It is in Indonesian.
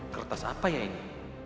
kertas apa ya ini